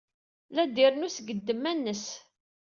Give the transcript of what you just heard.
La d-irennu seg ddemma-nnes.